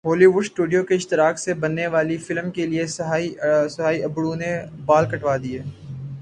Holi would studio کے اشتراک سے بننے والی فلم کیلئے سہائی ابڑو نے بال کٹوادیے